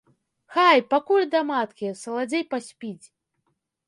Хай, пакуль да маткі, саладзей паспіць!